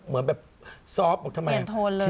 เหมือนแบบซอฟต์บอกทำไม